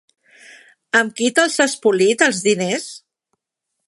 Amb qui te'ls has polits, els diners?